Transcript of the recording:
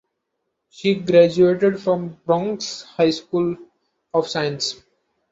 She graduated from Bronx High School of Science.